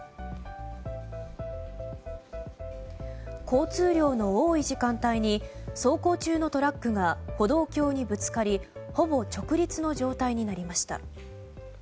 交通量の多い時間帯に走行中のトラックが歩道橋にぶつかりほぼ直立の状態になりました。